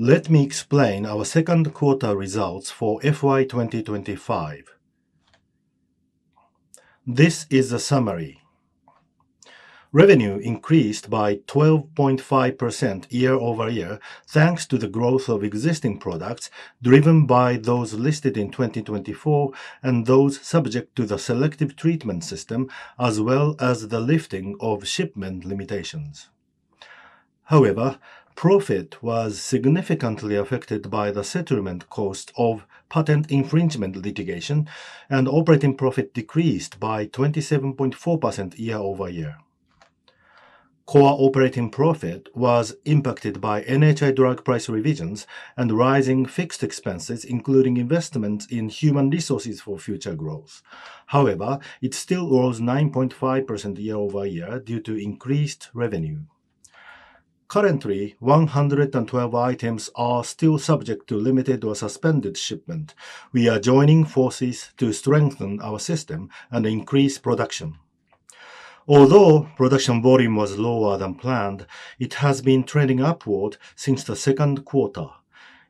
Let me explain our second quarter results for FY 2025. This is a summary. Revenue increased by 12.5% year-over-year, thanks to the growth of existing products driven by those listed in 2024 and those subject to the selective treatment system, as well as the lifting of shipment limitations. Profit was significantly affected by the settlement cost of patent infringement litigation, and operating profit decreased by 27.4% year-over-year. Core operating profit was impacted by NHI drug price revisions and rising fixed expenses, including investments in human resources for future growth. It still rose 9.5% year-over-year due to increased revenue. Currently, 112 items are still subject to limited or suspended shipment. We are joining forces to strengthen our system and increase production. Although production volume was lower than planned, it has been trending upward since the second quarter.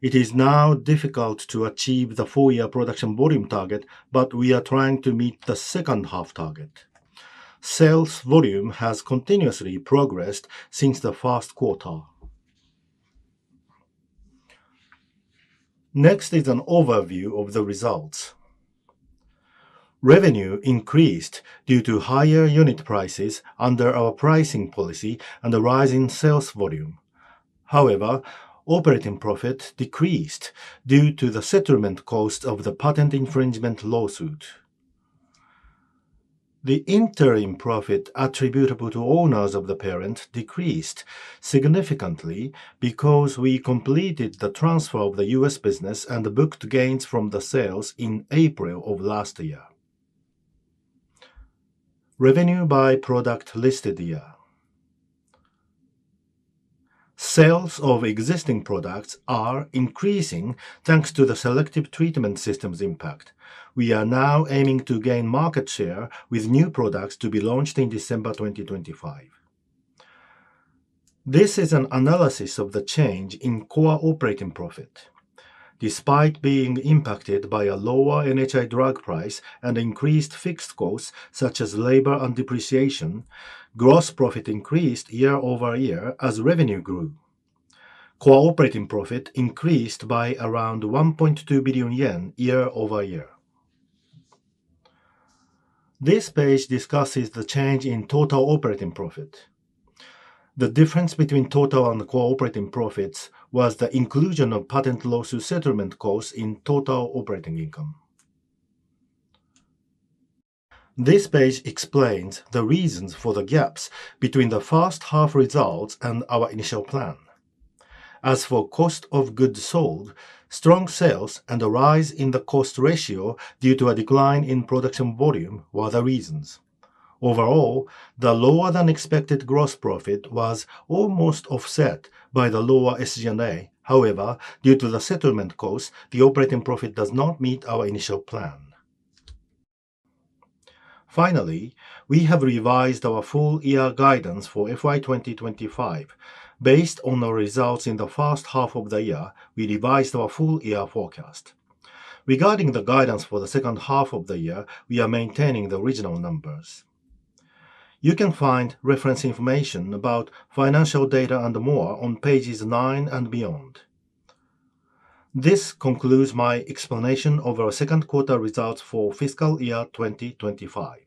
It is now difficult to achieve the full year production volume target. We are trying to meet the second-half target. Sales volume has continuously progressed since the first quarter. Next is an overview of the results. Revenue increased due to higher unit prices under our pricing policy and a rise in sales volume. However, operating profit decreased due to the settlement cost of the patent infringement lawsuit. The interim profit attributable to owners of the parent decreased significantly because we completed the transfer of the U.S. business and booked gains from the sales in April of last year. Revenue by product listed year. Sales of existing products are increasing thanks to the selective treatment system's impact. We are now aiming to gain market share with new products to be launched in December 2025. This is an analysis of the change in core operating profit. Despite being impacted by a lower NHI drug price and increased fixed costs such as labor and depreciation, gross profit increased year-over-year as revenue grew. Core operating profit increased by around 1.2 billion yen year-over-year. This page discusses the change in total operating profit. The difference between total and core operating profits was the inclusion of patent lawsuit settlement costs in total operating income. This page explains the reasons for the gaps between the first half results and our initial plan. As for cost of goods sold, strong sales and a rise in the cost ratio due to a decline in production volume were the reasons. Overall, the lower than expected gross profit was almost offset by the lower SG&A. However, due to the settlement cost, the operating profit does not meet our initial plan. Finally, we have revised our full year guidance for FY 2025. Based on the results in the first half of the year, we revised our full year forecast. Regarding the guidance for the second half of the year, we are maintaining the original numbers. You can find reference information about financial data and more on pages nine and beyond. This concludes my explanation of our second quarter results for fiscal year 2025.